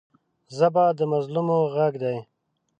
ژبه د مظلومانو غږ دی